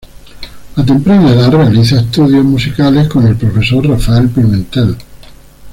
A temprana edad realiza estudios musicales con el profesor Rafael Pimentel.